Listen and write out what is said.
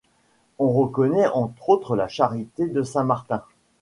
On reconnaît entre autres la charité de Saint-Martin.